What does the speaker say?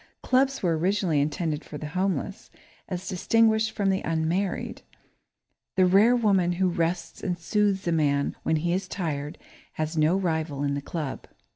Clubs were originally intended for the homeless, as distinguished from the unmarried. The rare woman who rests and soothes a man when he is tired has no rival in the club.